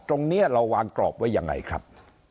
ตรงนี้เราวางกรอบไว้ยังไงครับ